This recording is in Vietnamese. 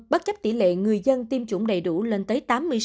bất chấp tỷ lệ người dân tiêm chủng đầy đủ lên tới tám mươi sáu